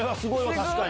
確かに。